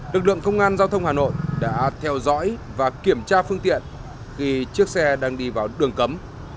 lực lượng công an giao thông hà nội đã theo dõi và kiểm tra phương tiện khi chiếc xe đang đi vào đường cấm